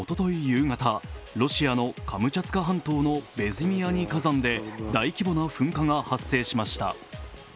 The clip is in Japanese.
夕方、ロシアのカムチャツカ半島のベズィミアニィ火山で大規模な噴火が発生しました。